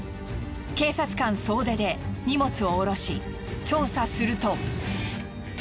警察官総出で荷物を降ろし調査すると。